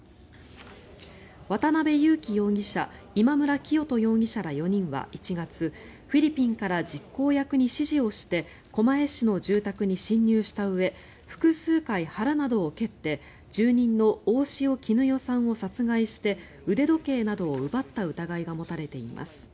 渡邉優樹容疑者今村磨人容疑者ら４人は１月フィリピンから実行役に指示をして狛江市の住宅に侵入したうえ複数回腹などを蹴って住人の大塩衣與さんを殺害して腕時計などを奪った疑いが持たれています。